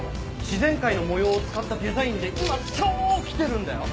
自然界の模様を使ったデザインで今超キテるんだよ。